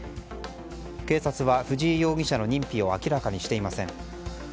警察は、藤井容疑者の認否を明らかにしていません。